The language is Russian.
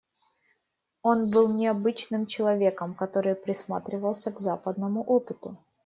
Он был необычным человеком, который присматривался к западному опыту.